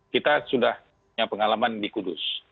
kita sudah punya pengalaman di kudus